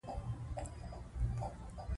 که انګریزان ښخ نه سوي، نو شرم یې دی.